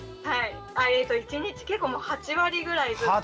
一日結構８割ぐらいずっとで。